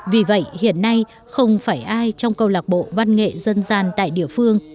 vì vậy hiện nay không phải ai trong câu lạc bộ văn nghệ dân gian tại địa phương